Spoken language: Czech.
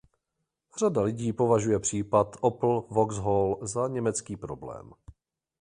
Řada lidí považuje případ Opel-Vauxhall za německý problém.